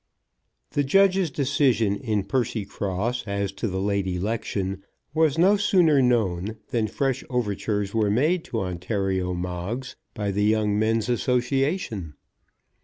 The judge's decision in Percycross as to the late election was no sooner known than fresh overtures were made to Ontario Moggs by the Young Men's Association.